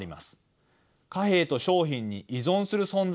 貨幣と商品に依存する存在なのです。